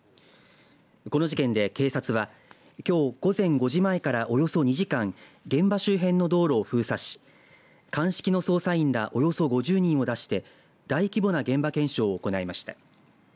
この事件で、警察はきょう午前５時前からおよそ２時間現場周辺の道路を封鎖し鑑識の捜査員らおよそ５０人を出して大規模な現場検証を行いました。